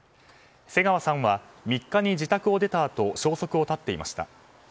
瀬川さんは３日に自宅を出たあと消息を絶っていました。